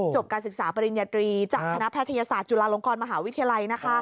การศึกษาปริญญาตรีจากคณะแพทยศาสตร์จุฬาลงกรมหาวิทยาลัย